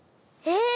え？